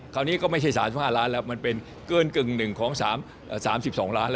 คราวนี้ก็ไม่ใช่๓๕ล้านแล้วมันเป็นเกินกึ่งหนึ่งของ๓๒ล้านแล้ว